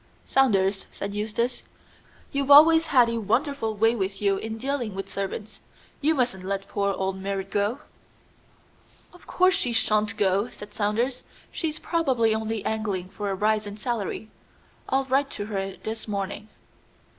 "Saunders," said Eustace, "you've always had a wonderful way with you in dealing with servants. You mustn't let poor old Merrit go." "Of course she shan't go," said Saunders. "She's probably only angling for a rise in salary. I'll write to her this morning."